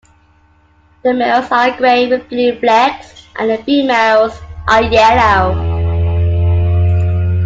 The males are gray with blue flecks, and the females are yellow.